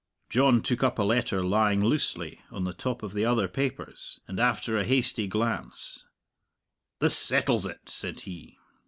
John took up a letter lying loosely on the top of the other papers, and after a hasty glance, "This settles it!" said he.